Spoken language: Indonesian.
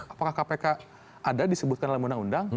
apakah kpk ada disebutkan dalam undang undang